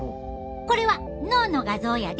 これは脳の画像やで。